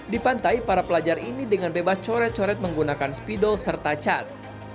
di pantai para pelajar ini dengan bebas coret coret menggunakan spidol serta cat